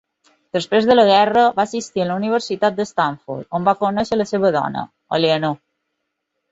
Després de la guerra va assistir a la Universitat d'Stanford, on va conèixer la seva dona, Eleanor.